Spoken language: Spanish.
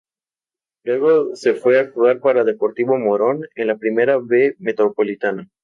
Luego se fue a jugar para Deportivo Morón en la Primera B Metropolitana.